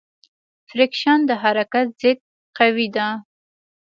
فریکشن د حرکت ضد قوې ده.